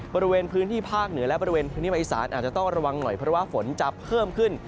บริเวณพื้นที่ภาคเหนือและบริเวณพื้นที่ภาคอีสานอาจจะต้องระวังหน่อยเพราะว่าฝนจะเพิ่มขึ้น